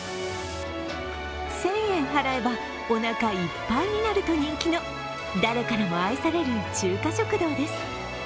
１０００円払えばおなかいっぱいになると人気の誰からも愛される中華食堂です。